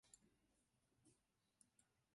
自此中圻钦使一职被废除。